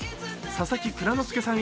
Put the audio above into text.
佐々木蔵之介さん